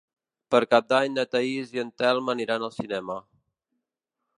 Per Cap d'Any na Thaís i en Telm aniran al cinema.